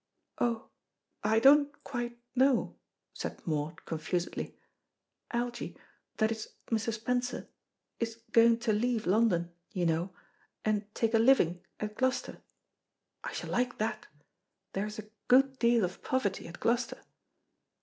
"Oh, I don't quite know," said Maud confusedly. "Algy, that is Mr. Spencer, is going to leave London, you know, and take a living at Gloucester. I shall like that. There is a good deal of poverty at Gloucester."